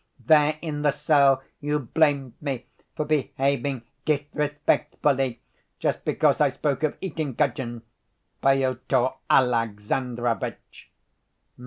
There in the cell you blamed me for behaving disrespectfully just because I spoke of eating gudgeon, Pyotr Alexandrovitch.